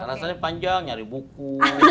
alasannya panjang nyari buku